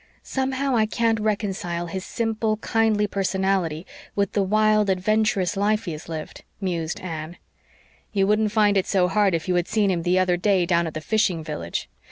"Somehow, I can't reconcile his simple, kindly personality with the wild, adventurous life he has lived," mused Anne. "You wouldn't find it so hard if you had seen him the other day down at the fishing village.